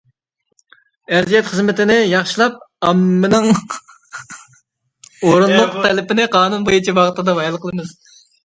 ئەرزىيەت خىزمىتىنى ياخشىلاپ، ئاممىنىڭ ئورۇنلۇق تەلىپىنى قانۇن بويىچە ۋاقتىدا ھەل قىلىمىز.